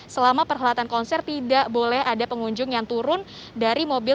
selama perhelatan konser tidak boleh ada pengunjung yang turun dari mobil